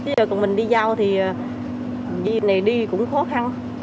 giờ mình đi giao thì đi này đi cũng khó khăn